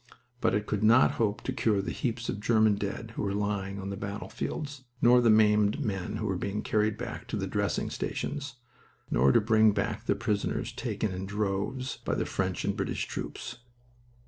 But it could not hope to cure the heaps of German dead who were lying on the battlefields, nor the maimed men who were being carried back to the dressing stations, nor to bring back the prisoners taken in droves by the French and British troops.